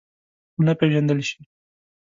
ونه پېژندل شي.